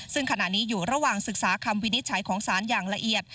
ซึ่งขณะนี้อยู่ระหว่างศึกษาคำวินิจฉัยของศาลอย่างละเอียด